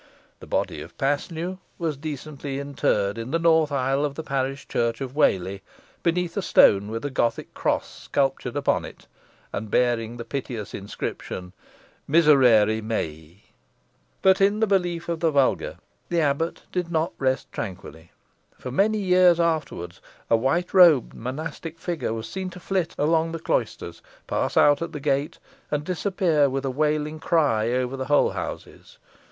The body of Paslew was decently interred in the north aisle of the parish church of Whalley, beneath a stone with a Gothic cross sculptured upon it, and bearing the piteous inscription: "Miserere mei." But in the belief of the vulgar the abbot did not rest tranquilly. For many years afterwards a white robed monastic figure was seen to flit along the cloisters, pass out at the gate, and disappear with a wailing cry over the Holehouses.